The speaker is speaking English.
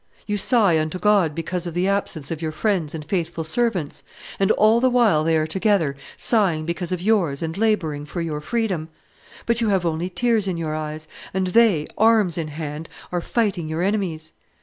You sigh unto God because of the absence of your friends and faithful servants; and all the while they are together, sighing because of yours and laboring for your freedom. But you have only tears in your eyes, and they, arms in hand, are fighting your enemies.